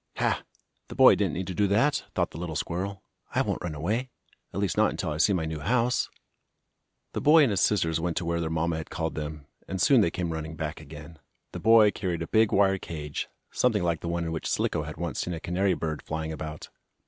"Ha! The boy didn't need to do that!" thought the little squirrel. "I won't run away at least not until I see my new house." The boy and his sisters went to where their mamma had called them, and soon they came running back again. The boy carried a big wire cage, something like the one in which Slicko had once seen a canary bird flying about.